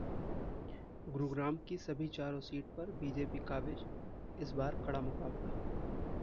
गुरुग्राम की सभी चारों सीट पर बीजेपी काबिज, इस बार कड़ा मुकाबला